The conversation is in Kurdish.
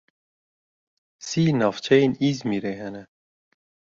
Sî navçeyên Îzmîrê hene.